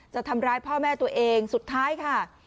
จะทำร้ายพ่อแม่ตัวเองสุดท้ายค่ะ